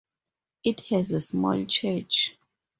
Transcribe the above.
It has a small church.